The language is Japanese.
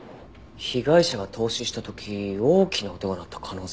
被害者が凍死した時大きな音が鳴った可能性が？